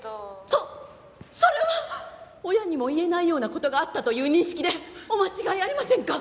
そそれは親にも言えないような事があったという認識でお間違いありませんか？